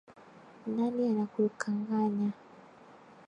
Nani anakukanganya